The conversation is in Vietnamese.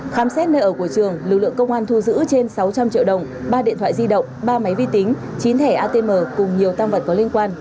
khám xét nơi ở của trường lực lượng công an thu giữ trên sáu trăm linh triệu đồng ba điện thoại di động ba máy vi tính chín thẻ atm cùng nhiều tăng vật có liên quan